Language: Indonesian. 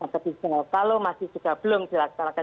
tapi kalau masih juga belum dilaksanakan